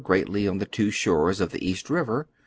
gi eatly on tlie two shores of the East liiver.